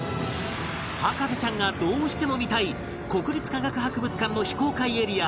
博士ちゃんがどうしても見たい国立科学博物館の非公開エリア